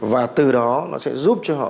và từ đó nó sẽ giúp cho họ